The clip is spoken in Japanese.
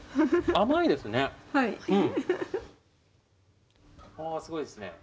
甘いですね。